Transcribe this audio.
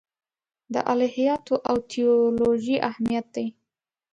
د الهیاتو او تیولوژي اهمیت دی.